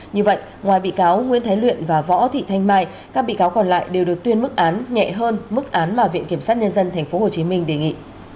như vậy ngoài bị cáo nguyễn thái luyện và võ thị thanh mai các bị cáo còn lại đều được tuyên mức án nhẹ hơn mức án mà viện kiểm sát nhân dân tp hcm đề nghị